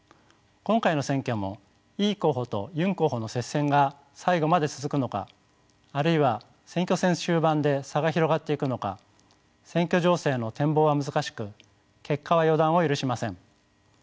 今回の選挙もイ候補とユン候補の接戦が最後まで続くのかあるいは選挙戦終盤で差が広がっていくのか選挙情勢の展望は難しく結果は予断を許しません。